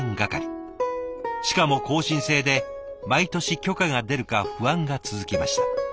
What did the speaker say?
しかも更新制で毎年許可が出るか不安が続きました。